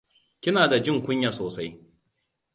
Kina da jin kunya sosai.